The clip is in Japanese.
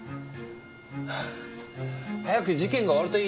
早く事件が終わるといいね。